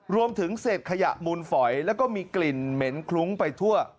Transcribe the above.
รวมถึงเศษขยะมูลฝอยแล้วก็มีกลิ่นเหม็นคลุ้งไปทั่ว